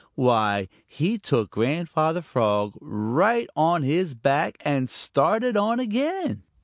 Why, he took Grandfather Frog right on his back and started on again.